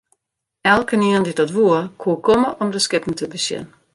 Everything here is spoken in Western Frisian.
Elkenien dy't dat woe, koe komme om de skippen te besjen.